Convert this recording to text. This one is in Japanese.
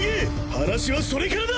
話はそれからだ！